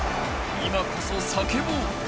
今こそ叫ぼう。